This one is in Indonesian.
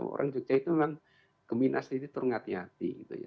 orang jogja itu memang gemina sendiri turun hati hati gitu ya